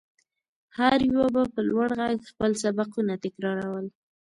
هر يوه به په لوړ غږ خپل سبقونه تکرارول.